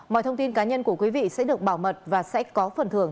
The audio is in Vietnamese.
mọi thông tin cá nhân của quý vị sẽ được bảo mật và sẽ có phần thưởng